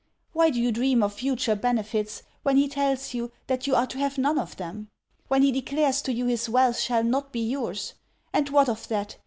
Why do you dream of future benefits, when he tells you, that you are to have none of them? when he declares to you his wealth shall not be your's? And what of that!